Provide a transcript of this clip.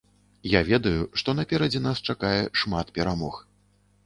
Я ведаю, што наперадзе нас чакае шмат перамог.